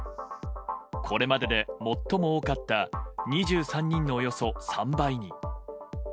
これまでで最も多かった２３人のおよそ３倍に。